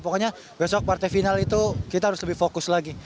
pokoknya besok partai final itu kita harus lebih fokus lagi